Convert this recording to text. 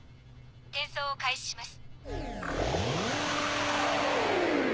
転送を開始します。